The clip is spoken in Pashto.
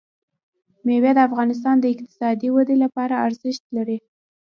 مېوې د افغانستان د اقتصادي ودې لپاره ارزښت لري.